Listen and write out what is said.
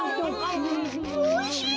おいしい！